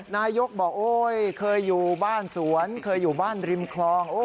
นายกบอกโอ๊ยเคยอยู่บ้านสวนเคยอยู่บ้านริมคลอง